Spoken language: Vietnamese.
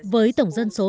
với tổng dân số